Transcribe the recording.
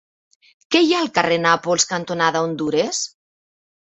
Què hi ha al carrer Nàpols cantonada Hondures?